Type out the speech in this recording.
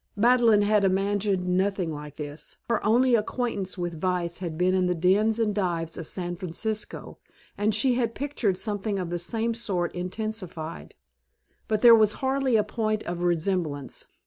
Madeleine had imagined nothing like this. Her only acquaintance with vice had been in the dens and dives of San Francisco, and she had pictured something of the same sort intensified. But there was hardly a point of resemblance.